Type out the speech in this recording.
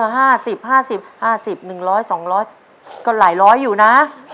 ห้าสิบห้าสิบห้าสิบหนึ่งร้อยสองร้อยก็หลายร้อยอยู่นะ